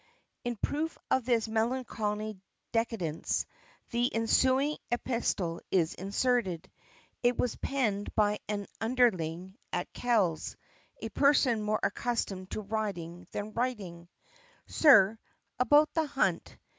In proof of this melancholy decadance, the ensuing epistle is inserted. It was penned by an underling at the Kells, a person more accustomed to riding than writing: "Sir, About the Hunt.